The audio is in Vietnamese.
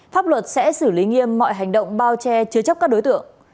pháp luật sẽ xử lý nghiêm mọi hành động bao che chứa chấp các đối tượng